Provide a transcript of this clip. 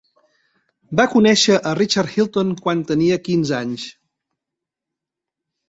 Va conèixer a Richard Hilton quan tenia quinze anys.